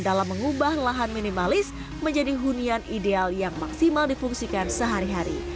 dalam mengubah lahan minimalis menjadi hunian ideal yang maksimal difungsikan sehari hari